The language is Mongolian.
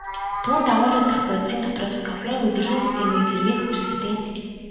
Түүнд агуулагдах бодисын дотроос кофеин мэдрэлийн системийг сэргээх үйлчилгээтэй.